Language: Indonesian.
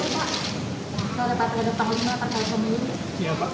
pada tahun ini pak